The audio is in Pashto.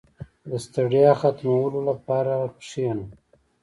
• د ستړیا ختمولو لپاره کښېنه.